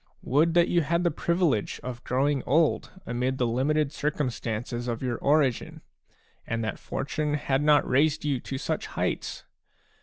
Would that you had had the privilege of growing old amid the limited circumstances of your origin, and that fortune had not raised you to such heights!